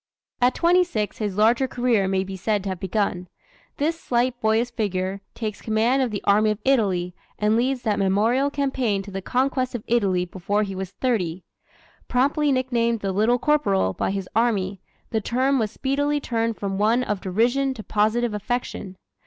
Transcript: At twenty six his larger career may be said to have begun. This slight boyish figure takes command of the Army of Italy and leads that memorable campaign to the conquest of Italy before he was thirty. Promptly nicknamed "The Little Corporal" by his army, the term was speedily turned from one of derision to positive affection.